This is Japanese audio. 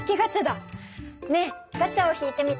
ねえガチャを引いてみて。